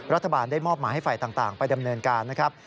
รัฐบาลได้มอบหมายให้ฝ่ายต่างไปดำเนินการนะครับ